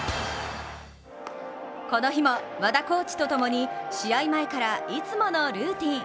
この日も和田コーチとともに試合前から、いつものルーティーン。